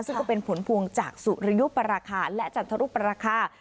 ซึ่งก็เป็นผลพวงจากสุริยุปราคาและจันทรุปราคา